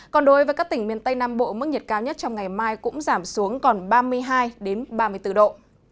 còn đối với các tỉnh miền tây nam bộ mức nhiệt cao nhất trong ngày mai cũng giảm xuống còn ba mươi hai ba mươi bốn độ